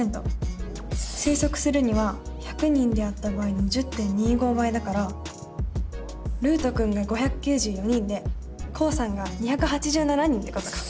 推測するには１００人であった場合の１０．２５倍だからるうとくんが５９４人でこうさんが２８７人ってことか。